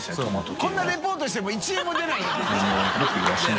海鵑リポートしても１円も出ないよね。